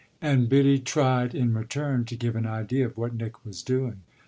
and Biddy tried in return to give an idea of what Nick was doing.